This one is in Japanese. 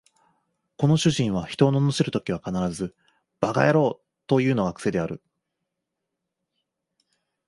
この主人は人を罵るときは必ず馬鹿野郎というのが癖である